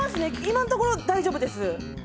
今のところ大丈夫です。